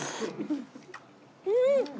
うん！